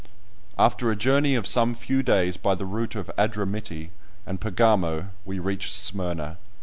After a journey of some few days by the route of Adramiti and Pergamo we reached Smyrna.